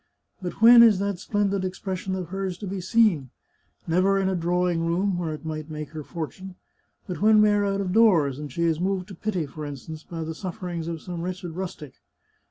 But when is that splendid expres sion of hers to be seen? Never in a drawing room, where it might make her fortune, but when we are out of doors, and she is moved to pity, for instance, by the sufferings of some wretched rustic.